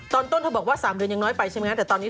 ตอนต้นเธอบอกว่า๓เดือนยังน้อยไปใช่ไหม